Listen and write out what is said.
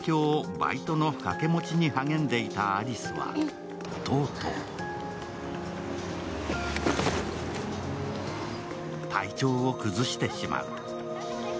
・バイトのかけ持ちに励んでいた有栖はとうとう体調を崩してしまう。